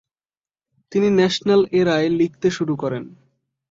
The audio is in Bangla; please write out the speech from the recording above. তিনি ন্যাশনাল এরায় লিখতে শুরু করেন।